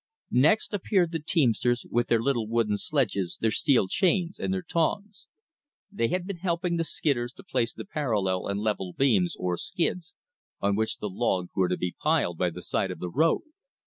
Next appeared the teamsters with their little wooden sledges, their steel chains, and their tongs. They had been helping the skidders to place the parallel and level beams, or skids, on which the logs were to be piled by the side of the road.